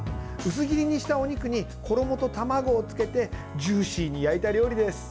薄切りにしたお肉に衣と卵をつけてジューシーに焼いた料理です。